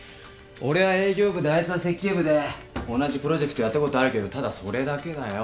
俺は営業部であいつは設計部で同じプロジェクトやったことあるけどただそれだけだよ。